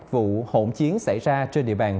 vụ hỗn chiến xảy ra trên địa bàn